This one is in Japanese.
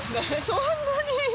そんなに？